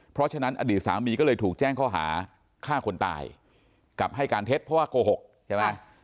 เพราะฉะนั้นอดีตสามีก็เลยถูกแจ้งข้อหาฆ่าคนตายกับให้การเท็จเพราะว่าโกหกใช่ไหม